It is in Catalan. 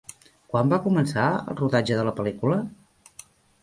Quan va començar el rodatge de la pel·lícula?